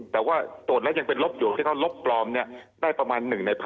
แต่ว่าตรวจแล้วยังเป็นลบอยู่ที่เขาลบปลอมได้ประมาณ๑ใน๑๐๐